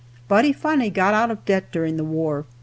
But he finally got out of debt during the war.